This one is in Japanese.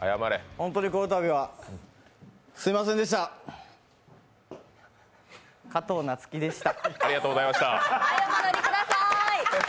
本当にこのたびはすみませんでした加藤夏希でした。